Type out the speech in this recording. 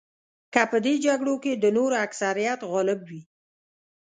که په دې جګړو کې د نورو اکثریت غالب وي.